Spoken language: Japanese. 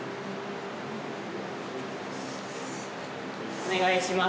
お願いします。